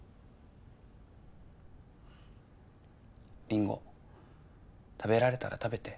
リンゴ食べられたら食べて。